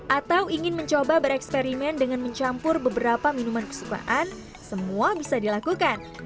atau ingin mencoba bereksperimen dengan mencampur beberapa minuman kesukaan semua bisa dilakukan